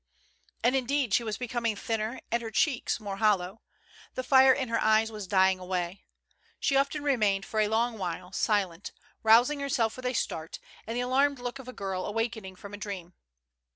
And, indeed, she was becoming thinner, and her cheeks^ more hollow. The fire in her eyes was dying away. She often remained for a long while silent, rousing her self with a start, and the alarmed look of a girl awaken ing from a dream.